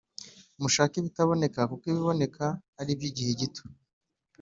Mushake ibitaboneka kuko ibiboneka ari iby igihe gito